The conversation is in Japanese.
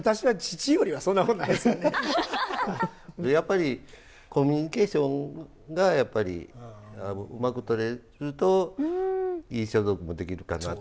やっぱりコミュニケーションがやっぱりうまくとれるといい装束も出来るかなと思いますので。